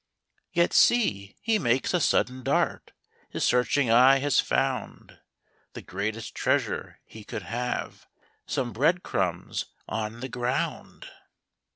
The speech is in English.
Yet see ! he makes a sud den dart His searching eye has found The greatest treasure he could have, — Some bread crumbs on the ground